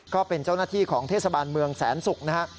ก็เป็นเจ้าหน้าที่ของเทศบาลเมืองแสนศุกร์นะฮะ